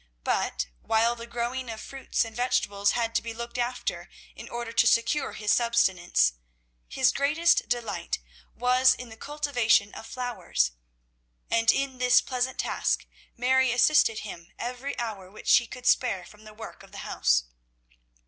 But, while the growing of fruits and vegetables had to be looked after in order to secure his subsistence, his greatest delight was in the cultivation of flowers; and in this pleasant task Mary assisted him every hour which she could spare from the work of the house.